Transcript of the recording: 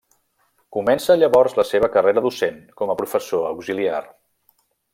Comença llavors la seva carrera docent com a professor auxiliar.